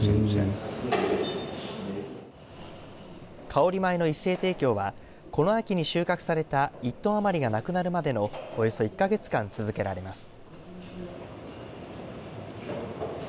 香り米の一斉提供はこの秋に収穫された１トン余りがなくなるまでのおよそ１か月間続けられます。